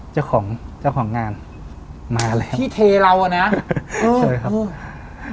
เจ้าของเจ้าของงานมาแล้วที่เทเราอ่ะนะเออเออช่วยครับ